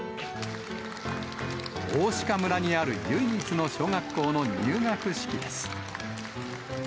大鹿村にある唯一の小学校の入学式です。